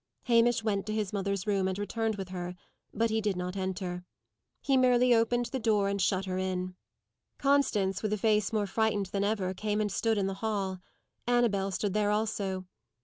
Hamish went to his mother's room, and returned with her. But he did not enter. He merely opened the door, and shut her in. Constance, with a face more frightened than ever, came and stood in the hall. Annabel stood there also.